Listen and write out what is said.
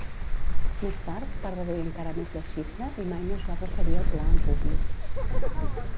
Més tard, va reduir encara més la xifra i mai no es va referir al pla en públic.